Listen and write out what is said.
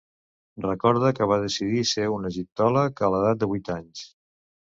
Recorda que va decidir ser un egiptòleg a l'edat de vuit anys.